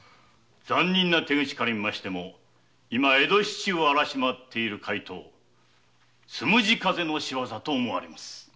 残忍な手口から見ましても今江戸市中を荒らし回っている怪盗「つむじ風」の仕業と思われます。